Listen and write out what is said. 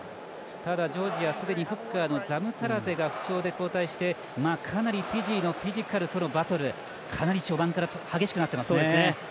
ジョージア、すでにフッカーのザムタラゼが負傷で交代してフィジーのフィジカルとのバトルかなり序盤から激しくなってます。